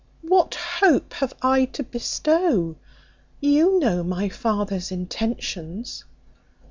What hope have I to bestow? You know my father's intentions."